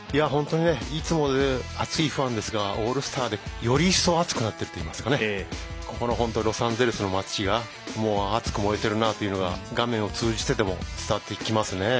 いつも熱いファンですがオールスターでより一層熱くなってるといいますかロサンゼルスの街が熱く燃えているなというのが画面を通じてでも伝わってきますね。